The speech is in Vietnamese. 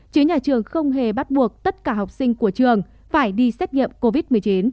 chứ nhà trường không hề bắt buộc tất cả học sinh của trường phải đi xét nghiệm covid một mươi chín